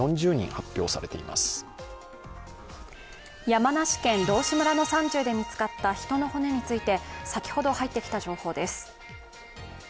山梨県道志村の山中で見つかった人の骨について先ほど入ってきた情報です。